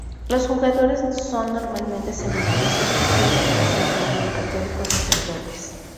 Los jugadores son normalmente seminaristas que estudian para ser romano católicos sacerdotes.